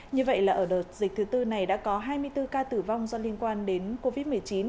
như vậy là ở đợt dịch thứ tư này đã có hai mươi bốn ca tử vong do liên quan đến covid một mươi chín